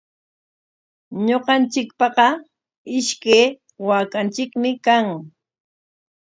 Ñuqanchikpaqa ishkay waakanchikmi kan.